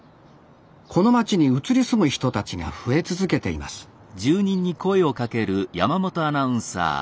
この町に移り住む人たちが増え続けていますこんにちは。